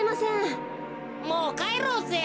もうかえろうぜ。